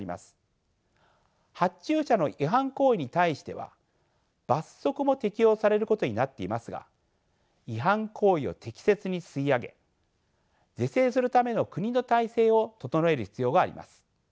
発注者の違反行為に対しては罰則も適用されることになっていますが違反行為を適切に吸い上げ是正するための国の体制を整える必要があります。